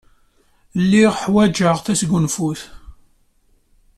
Lliɣ ḥwajeɣ tasgunfut.